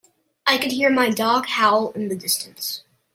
I could hear my dog howl in the distance.